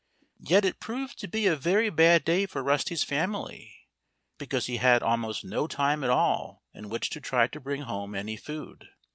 Yet it proved to be a very bad day for Rusty's family, because he had almost no time at all in which to try to bring home any food.